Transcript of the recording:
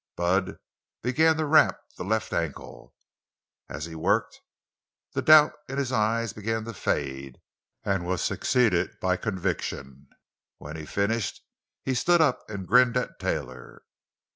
Bud began to wrap the left ankle. As he worked, the doubt in his eyes began to fade and was succeeded by conviction. When he finished, he stood up and grinned at Taylor.